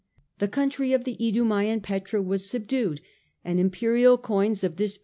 The country of the Idumsean Petra was subdued, and imperial coins of this ^.